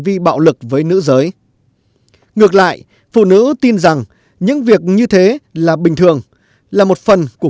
vi bạo lực với nữ giới ngược lại phụ nữ tin rằng những việc như thế là bình thường là một phần của